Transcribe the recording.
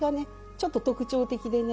ちょっと特徴的でね